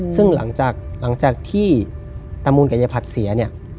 ซึ่งหลังจากที่ตามูลกับยายผัดเสียเนี่ย